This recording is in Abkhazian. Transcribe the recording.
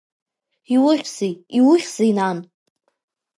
Иухьзеи, иухьзеи, нан?